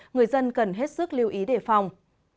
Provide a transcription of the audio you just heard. người dân cần hết sức lưu ý đề phòng